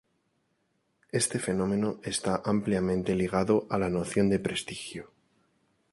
Este fenómeno está ampliamente ligado a la noción de prestigio.